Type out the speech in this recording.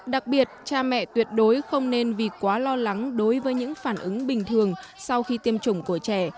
đặc biệt cha mẹ tuyệt đối không nên vì quá lo lắng đối với những phản ứng bình thường sau khi tiêm chủng của trẻ